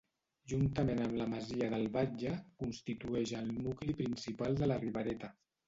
Juntament amb la Masia del Batlle constitueix el nucli principal de la Ribereta.